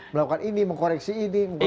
melakukan ini mengkoreksi ini mengkoreksi itu